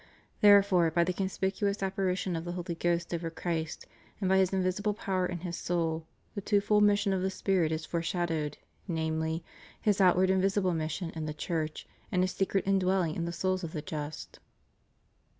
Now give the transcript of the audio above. ^/ Therefore, by the conspicuous appa rition of the Holy Ghost over Christ and by His invisible power in His soul, the twofold mission of the Spirit is fore shadowed, namely. His outward and visible mission in the Church, and His secret indwelling in the souls of the just.